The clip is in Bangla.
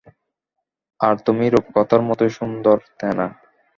আর তুমি রূপকথার মতোই সুন্দর, থেনা।